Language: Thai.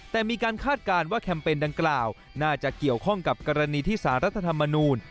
แต่มีการคาดการณ์ว่าแคมเปญดังกล่าวน่าจะเกี่ยวข้องกับกรณีที่สารรัฐธรรมนูล